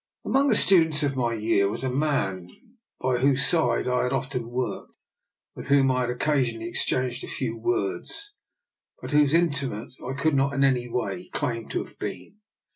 Among the students of my year was a man by whose side I had often worked — with whom I had occasionally exchanged a few words, but whose intimate I could not in any way claim to have been.